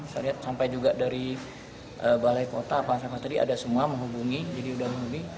saya lihat sampai juga dari balai kota pak sama tadi ada semua menghubungi jadi sudah menghubungi